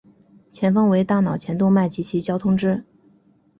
前方为大脑前动脉及其交通支。